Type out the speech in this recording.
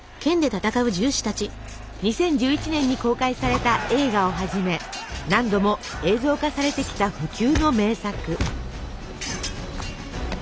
２０１１年に公開された映画をはじめ何度も映像化されてきた不朽の名作。